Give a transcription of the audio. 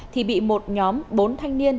thì bị một nhóm bốn thanh niên